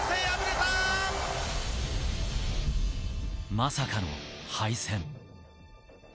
まさかの敗戦。